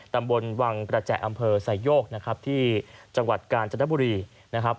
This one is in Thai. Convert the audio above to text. ตำบลวังกระแจอำเภอไซโยกนะครับที่จังหวัดกาญจนบุรีนะครับ